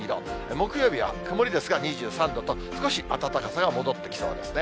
木曜日は曇りですが２３度と、少し暖かさが戻ってきそうですね。